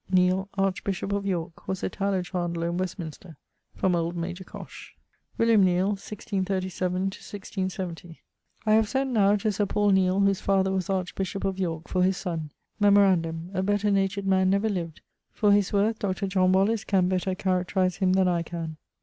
Neile, archbishop of Yorke, was a tallow chandler in Westminster from old major Cosh. =William Neile= (1637 1670). I have sent now to Sir Paul Neile, whose father was archbishop of Yorke, for his sonne. Memorandum: a better natured man never lived: for his worth Dr. Wallis can better characterise him than I can.